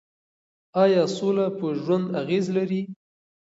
ایا سوله په ژوند اغېز لري؟